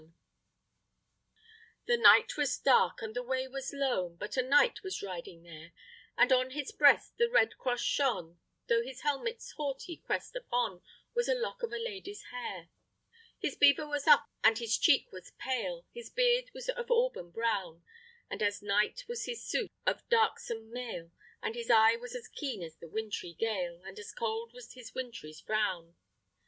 THE KNIGHT'S SONG. The night was dark, and the way was lone, But a knight was riding there; And on his breast the red cross shone, Though his helmet's haughty crest upon Was a lock of a lady's hair. His beaver was up, and his cheek was pale His beard was of auburn brown; And as night was his suit of darksome mail, And his eye was as keen as the wintry gale, And as cold was his wintry frown.